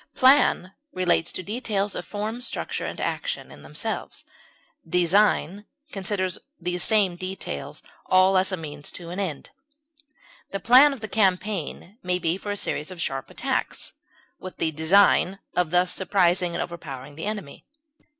Plan relates to details of form, structure, and action, in themselves; design considers these same details all as a means to an end. The plan of a campaign may be for a series of sharp attacks, with the design of thus surprising and overpowering the enemy.